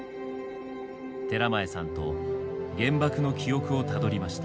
寺前さんと原爆の記憶をたどりました。